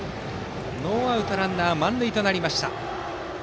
ノーアウトランナー、満塁となりました。